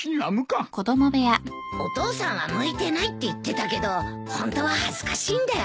お父さんは向いてないって言ってたけどホントは恥ずかしいんだよ。